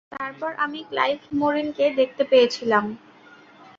তারপর আমি ক্লাইভ মরিনকে দেখতে পেয়েছিলাম।